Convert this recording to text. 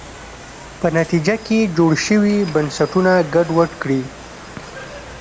په نتیجه کې جوړ شوي بنسټونه ګډوډ کړي.